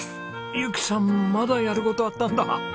ゆきさんまだやる事あったんだ。